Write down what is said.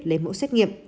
đề mẫu xét nghiệm